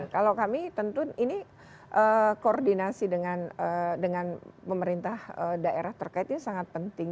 kalau kami tentu ini koordinasi dengan pemerintah daerah terkait ini sangat penting